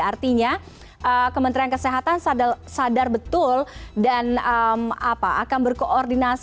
artinya kementerian kesehatan sadar betul dan akan berkoordinasi